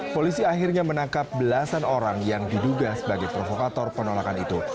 polisi akhirnya menangkap belasan orang yang diduga sebagai provokator penolakan itu